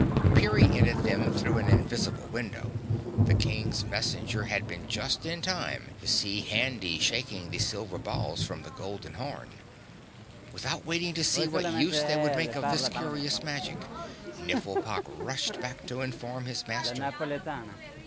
Peering in at them through an invisible window, the King's messenger had been just in time to see Handy shaking the silver balls from the golden horn. Without waiting to see what use they would make of this curious magic, Nifflepok rushed back to inform his master.